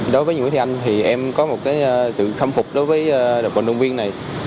đối với những cái thi anh thì em có một cái sự khâm phục đối với đoàn viên này